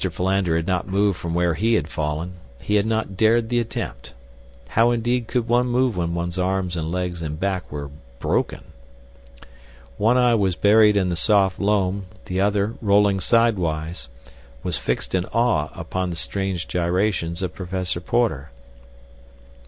Philander had not moved from where he had fallen; he had not dared the attempt. How indeed could one move when one's arms and legs and back were broken? One eye was buried in the soft loam; the other, rolling sidewise, was fixed in awe upon the strange gyrations of Professor Porter.